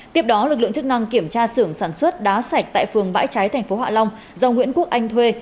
tiếp đó lực lượng chức năng kiểm tra sưởng sản xuất đá sạch tại phường bãi cháy tp hạ long do nguyễn quốc anh thuê